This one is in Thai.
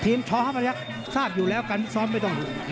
ทีมชอห้าพยักษ์ทราบอยู่แล้วกันพี่ซ้อมไม่ต้องดู